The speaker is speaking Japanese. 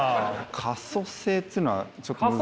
可塑性ってのはちょっと難しい。